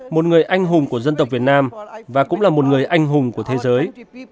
một người anh hùng của dân tộc việt nam và cũng là một người anh hùng của thế giới